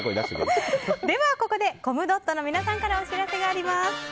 ではここでコムドットの皆さんからお知らせです。